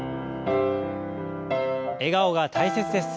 笑顔が大切です。